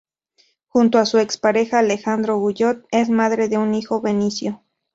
Junto a su ex pareja Alejandro Guyot, es madre de un hijo, Benicio.